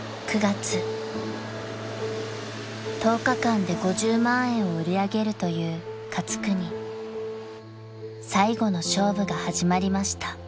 ［１０日間で５０万円を売り上げるというかつくに最後の勝負が始まりました］